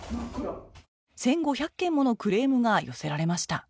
１５００件ものクレームが寄せられました